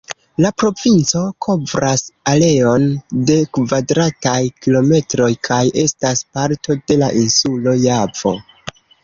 La provinco kovras areon de kvadrataj kilometroj kaj estas parto de la insulo Javo.